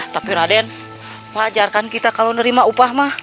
tapi raden wajar kalau kita menerima upah